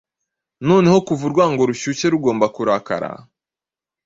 noneho kuva urwango rushyushye rugomba kurakara